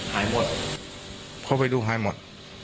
หายหมดเข้าไปดูหายหมด